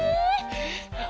えっ？